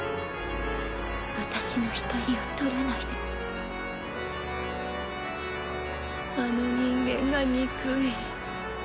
私の光を盗らないであの人間が憎い。